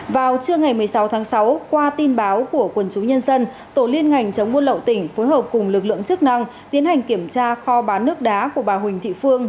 vào trưa ngày một mươi sáu tháng sáu qua tin báo của quần chúng nhân dân tổ liên ngành chống buôn lậu tỉnh phối hợp cùng lực lượng chức năng tiến hành kiểm tra kho bán nước đá của bà huỳnh thị phương